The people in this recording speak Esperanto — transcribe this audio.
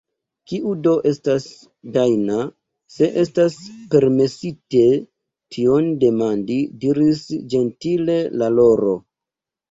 "Kiu do estas Dajna, se estas permesite tion demandi," diris ĝentile la Loro.